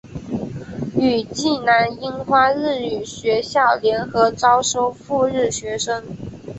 与济南樱花日语学校联合招收赴日学生。